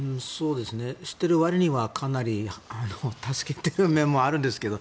してるわりには、かなり助けてる面もあるんですけど。